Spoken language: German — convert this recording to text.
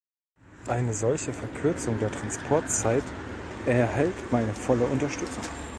Eine solche Verkürzung der Transportzeit erhält meine volle Unterstützung.